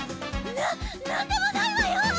な何でもないわよ！